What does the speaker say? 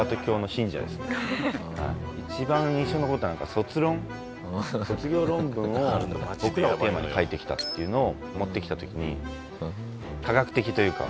一番印象に残ったのは卒論卒業論文を僕らをテーマに書いてきたっていうのを持ってきた時に化学的というか。